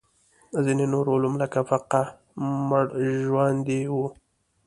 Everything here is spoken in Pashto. ځینې نور علوم لکه فقه مړژواندي وو.